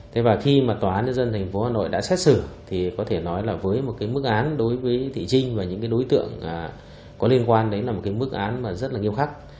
thế và khi mà tòa án nhân dân tp hà nội đã xét xử thì có thể nói là với một cái mức án đối với thị trinh và những cái đối tượng có liên quan đấy là một cái mức án mà rất là nghiêm khắc